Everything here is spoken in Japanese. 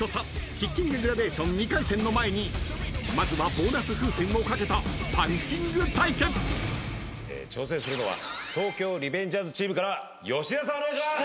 ［キッキンググラデーション２回戦の前にまずは］挑戦するのは東京リベンジャーズチームからは吉沢さんお願いします！